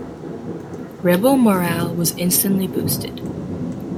Rebel morale was instantly boosted.